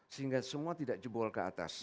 sehingga semua tidak jebol ke atas